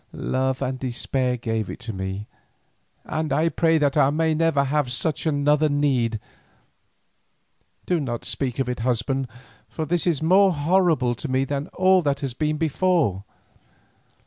"Love and despair gave it to me, and I pray that I may never have such another need. Do not speak of it, husband, for this is more horrible to me than all that has been before.